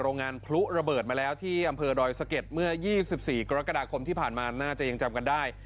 โรงงานพลุระเบิดมาแล้วที่อำเภอดอยสะเก็ดเมื่อ๒๔กรกฎาคมที่ผ่านมาน่าจะยังจำกันได้